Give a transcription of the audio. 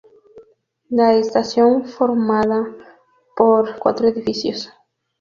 La estación estaba formada por cuatro edificios.